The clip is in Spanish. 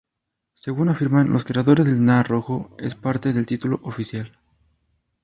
Según afirman los creadores, el "na" rojo es parte del título oficial.